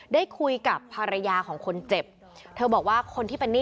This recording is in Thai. ได้คุยกับภรรยาของคนเจ็บเธอบอกว่าคนที่เป็นหนี้